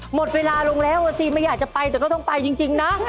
หมดเวลาลงแล้วอ่ะสิไม่อยากจะไปแต่ก็ต้องไปจริงนะ